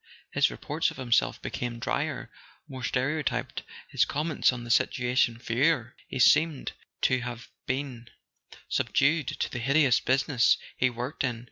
His reports of himself became drier, more stereotyped, his comments on the situation fewer: he seemed to have been subdued to the hideous business he worked in.